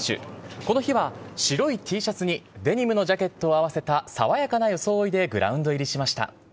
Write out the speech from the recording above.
この日は、白いＴシャツにデニムのジャケットを合わせた爽やかな装いでグラウンド入りしました。